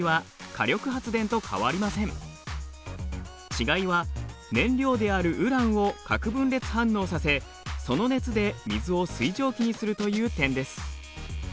違いは燃料であるウランを核分裂反応させその熱で水を水蒸気にするという点です。